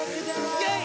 イェイ！